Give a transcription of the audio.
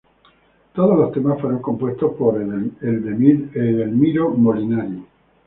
Todos los temas fueron compuestos por Edelmiro Molinari.